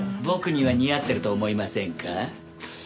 僕には似合ってると思いませんか？